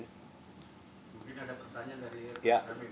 mungkin ada pertanyaan dari